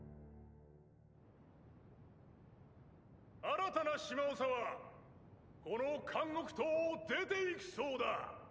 新たな島長はこの監獄島を出て行くそうだ！